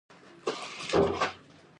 ستاسو ټکټونه مو مخکې تر مخکې اخیستي.